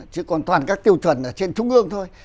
chứ còn toàn các tiêu chuẩn ở trên trung ương thôi